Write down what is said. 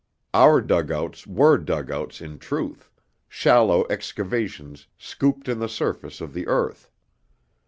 Our dug outs were dug outs in truth, shallow excavations scooped in the surface of the earth.